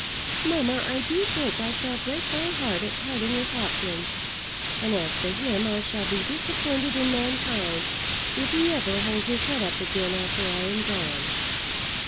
Mamma, I do think I shall break my heart at parting with Hopkins; and as to him, I shall be disappointed in mankind if he ever holds his head up again after I am gone."